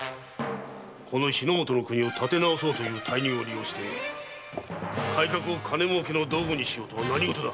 この日の本の国を建て直そうという大任を利用して改革を金儲けの道具にしようとは何事だ！